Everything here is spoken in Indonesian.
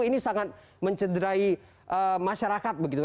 ini sangat mencederai masyarakat begitu